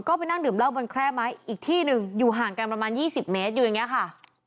ก็ไปนั่งดื่มเหล้าบนแคร่ไม้อีกที่หนึ่งอยู่ห่างกันประมาณ๒๐เมตรอยู่อย่างนี้ค่ะ